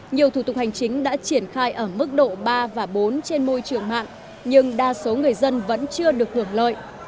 nhiều thủ tục hành chính đã triển khai ở mức độ ba và bốn trên môi trường mạng nhưng đa số người dân vẫn chưa được hưởng lợi